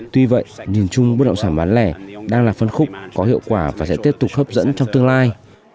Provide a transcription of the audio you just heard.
tuy vậy nhìn chung bất động sản bán lẻ đang là phân khúc có hiệu quả và sẽ tiếp tục hấp dẫn trong tương lai